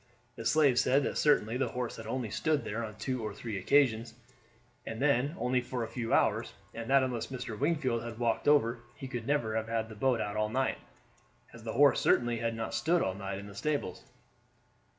The slave said that certainly the horse had only stood there on two or three occasions, and then only for a few hours, and that unless Mr. Wingfield had walked over he could never have had the boat out all night, as the horse certainly had not stood all night in the stables.